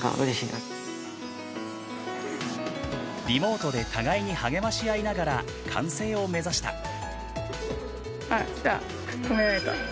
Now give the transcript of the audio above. リモートで互いに励まし合いながら完成を目指した。